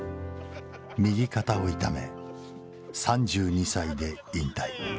右肩を痛め３２歳で引退。